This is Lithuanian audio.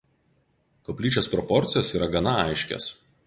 Koplyčios proporcijos yra gana aiškios.